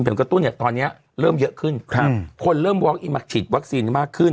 กระตุ้นเนี่ยตอนนี้เริ่มเยอะขึ้นครับคนเริ่มวอลอินักฉีดวัคซีนมากขึ้น